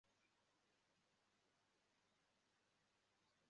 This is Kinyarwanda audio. iyi igiye kuba icyi gishyushye mumyaka mirongo itatu n'itandatu